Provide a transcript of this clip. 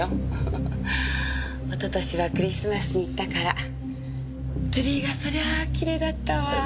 おととしはクリスマスに行ったからツリーがそりゃあキレイだったわ！